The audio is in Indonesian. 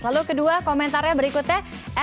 lalu kedua komentarnya berikutnya